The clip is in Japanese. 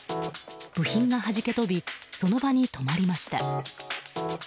部品がはじけ飛びその場に止まりました。